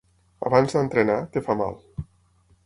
Abans d'entrenar, et fa mal.